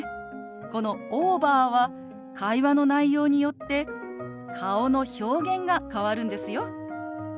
この「オーバー」は会話の内容によって顔の表現が変わるんですよ。